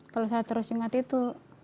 kalau saya terus ingat itu